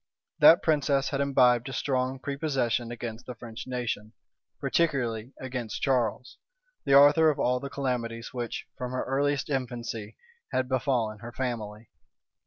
That princess had imbibed a strong prepossession against the French nation, particularly against Charles, the author of all the calamities which, from her earliest infancy, had befallen her family.